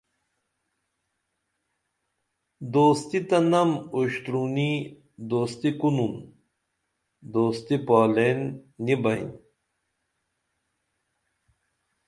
دوستی تہ نم اُوشترونی دوستی کونُن دوستی پالین نی بئین